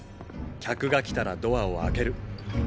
客が来たらドアを開ける。